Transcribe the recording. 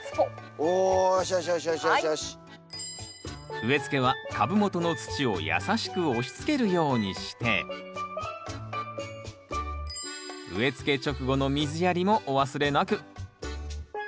植え付けは株元の土を優しく押しつけるようにして植え付け直後の水やりもお忘れなく。